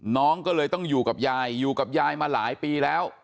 น้องก็เลยต้องอยู่กับยายอยู่กับยายมาหลายปีแล้ว